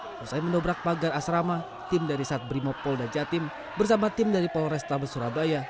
selesai mendobrak pagar asrama tim dari sat brimopolda jatim bersama tim dari polrestabes surabaya